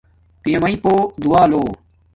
پیا مݵݵ پوہ دعا لو